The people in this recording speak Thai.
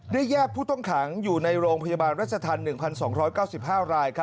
แยกผู้ต้องขังอยู่ในโรงพยาบาลรัชธรรม๑๒๙๕ราย